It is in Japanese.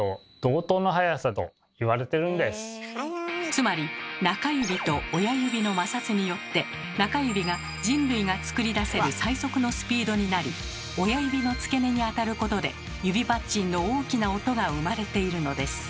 つまり中指と親指の摩擦によって中指が人類がつくり出せる最速のスピードになり親指の付け根にあたることで指パッチンの大きな音が生まれているのです。